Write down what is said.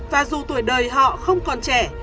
và dù tuổi đời họ không còn trẻ